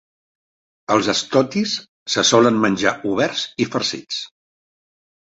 Els stotties se solen menjar oberts i farcits.